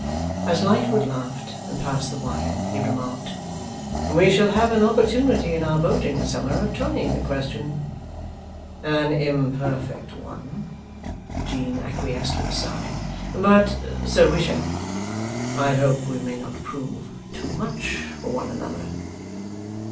As Lightwood laughed and passed the wine, he remarked, 'We shall have an opportunity, in our boating summer, of trying the question.' 'An imperfect one,' Eugene acquiesced, with a sigh, 'but so we shall. I hope we may not prove too much for one another.